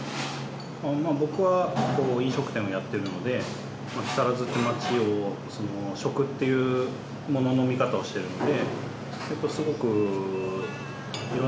僕は飲食店をやってるので木更津って町を食っていうものの見方をしてるので。